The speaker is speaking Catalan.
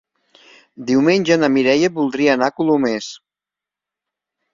Diumenge na Mireia voldria anar a Colomers.